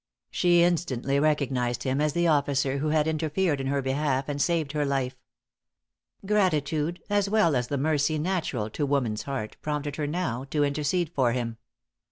She instantly recognized him as the officer who had interfered in her behalf and saved her life. Gratitude, as well as the mercy natural to woman's heart, prompted her now to intercede for him.